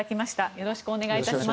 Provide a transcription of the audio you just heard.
よろしくお願いします。